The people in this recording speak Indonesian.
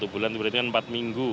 satu bulan berarti kan empat minggu